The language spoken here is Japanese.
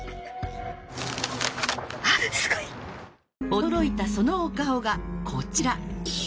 驚いたそのお顔がこちら。